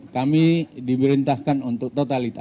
kami diberintahkan untuk totalitas